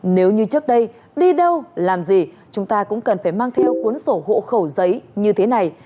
nếu như trước đây đi đâu làm gì chúng ta cũng cần phải mang theo cuốn sổ hộ khẩu giấy như thế này